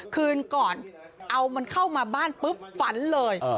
คืนก่อนเอามันเข้ามาบ้านปุ๊บฝันเลย